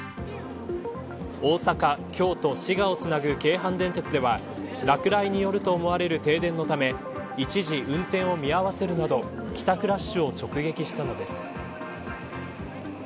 大阪、京都、滋賀をつなぐ京阪電鉄では落雷によると思われる停電のため一時、運転を見合わせるなど帰宅ラッシュを直撃したのです。